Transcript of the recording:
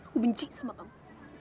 aku benci sama kamu